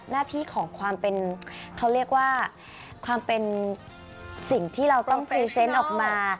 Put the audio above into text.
หน้าที่ของความเป็นเขาเรียกว่าความเป็นสิ่งที่เราต้องพรีเซนต์ออกมา